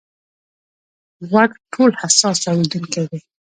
غوږ ټولو حساس اورېدونکی دی.